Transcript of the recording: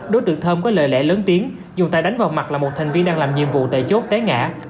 đối tượng thơm có lời lẽ lớn tiếng dùng tay đánh vào mặt là một thành viên đang làm nhiệm vụ tại chốt té ngã